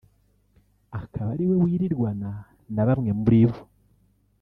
akaba ari we wirirwana na bamwe muri bo